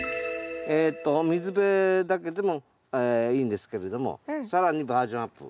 水辺だけでもいいんですけれども更にバージョンアップ。